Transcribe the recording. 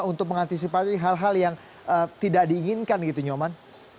untuk mengantisipasi hal hal yang tidak diinginkan gitu nyoman